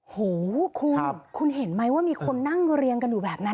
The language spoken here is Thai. โหคุณคุณเห็นไหมว่ามีคนนั่งเรียงกันอยู่แบบนั้น